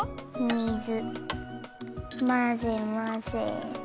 水まぜまぜ。